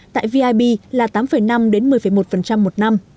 tại vib là tám năm một mươi một một năm